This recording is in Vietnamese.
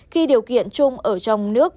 khi điều kiện chung ở trong nước